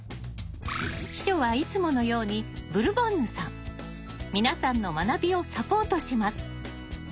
秘書はいつものように皆さんの学びをサポートします。